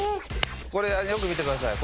これよく見てください。